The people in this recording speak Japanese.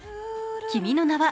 「君の名は」